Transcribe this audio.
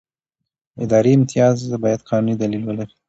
اداري امتیاز باید قانوني دلیل ولري.